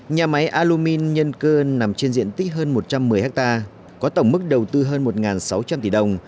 nhà máy alumin nhân cơ nằm trên diện tích hơn một trăm một mươi hectare có tổng mức đầu tư hơn một sáu trăm linh tỷ đồng